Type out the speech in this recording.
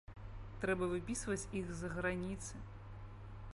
Трэба выпісваць іх з-за граніцы.